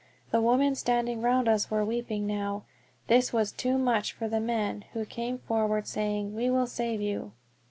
The women standing round us were weeping now. This was too much for the men, who came forward saying, "We will save you."